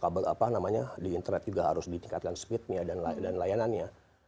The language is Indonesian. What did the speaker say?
kabel apa namanya di internet juga harus ditingkatkan speednya dan layanannya